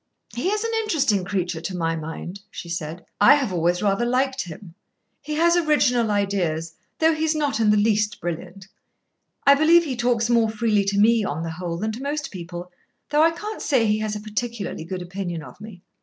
"He is an interesting creature, to my mind," she said. "I have always rather liked him. He has original ideas, though he is not in the least brilliant. I believe he talks more freely to me, on the whole, than to most people, though I can't say he has a particularly good opinion of me.